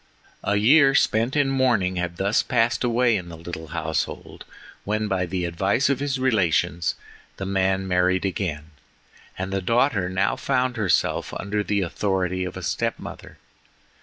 A year spent in mourning had thus passed away in the little household, when, by the advice of his relations, the man married again, and the daughter now found herself under the authority of a step mother.